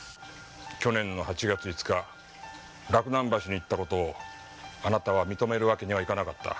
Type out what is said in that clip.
去年の８月５日洛南橋に行った事をあなたは認めるわけにはいかなかった。